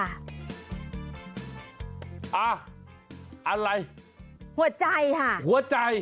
อ่ะอะไรหัวใจค่ะหัวใจ